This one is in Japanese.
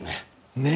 ねえ！